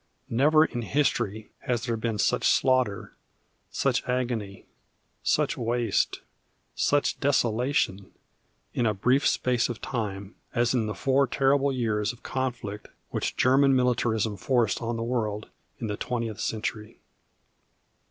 Never in history has there been such slaughter, such agony, such waste, such desolation, in a brief space of time, as in the four terrible years of conflict which German militarism forced on the world in the twentieth century.